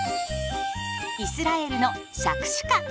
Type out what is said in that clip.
イスラエルのシャクシュカ。